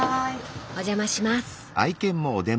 お邪魔します。